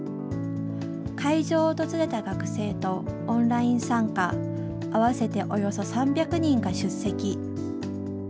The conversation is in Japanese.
会場を訪れた学生とオンライン参加合わせておよそ３００人が出席。